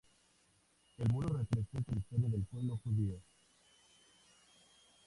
El muro representa la historia del pueblo judío.